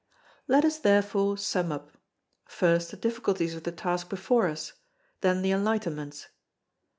Let us therefore sum up: first the difficulties of the task before us; then the enlightenments.